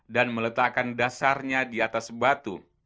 dan meletakkan dasarnya di atas batu